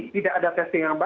tidak ada testing yang mbak